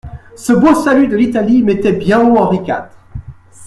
Ce beau salut de l'Italie mettait bien haut Henri quatre.